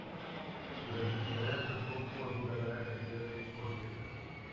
Durante su carrera tocó con una gran cantidad de orquestas.